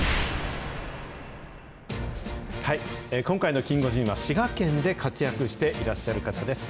今回のキンゴジンは、滋賀県で活躍していらっしゃる方です。